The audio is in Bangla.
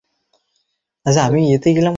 এর ভিডিও কেউ দিতে পারবে?